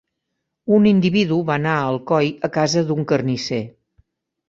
Un individu va anar a Alcoi a casa d’un carnisser.